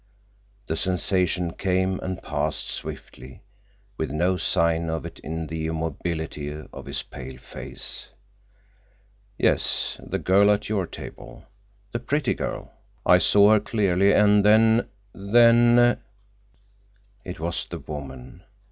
The sensation came and passed swiftly, with no sign of it in the immobility of his pale face. "Yes, the girl at your table. The pretty girl. I saw her clearly, and then—then—" It was the woman.